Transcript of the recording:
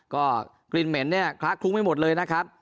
ก็กลีนเหม็นนี่คลักคุ้งไม่หมดเลยนะครับ